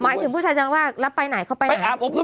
หมายถึงผู้ชายจันตรีบ้าวุ่ะแล้วไปไหนเขาไปไหน